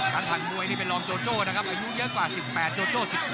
การทางมวยนี่เป็นรอมโจโจ้นะครับเป็นยุ่งเยอะกว่า๑๘โจโจ้๑๗